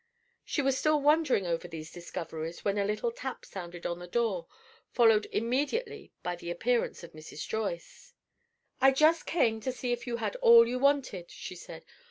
She was still wondering over these discoveries, when a little tap sounded on the door, followed immediately by the appearance of Mrs. Joyce. "I just came to see if you had all you wanted," she said.